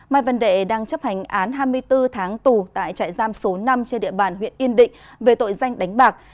mai văn đệ đang chấp hành án hai mươi bốn tháng tù tại trại giam số năm trên địa bàn huyện yên định về tội danh đánh bạc